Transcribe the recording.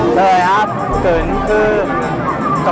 เฉลยครับ